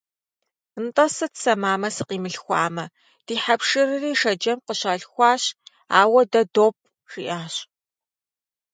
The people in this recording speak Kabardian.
Нтӏэ сыт сэ мамэ сыкъимылъхуамэ, ди хьэпшырри Шэджэм къыщалъхуащ, ауэ дэ допӏ, - жиӏащ.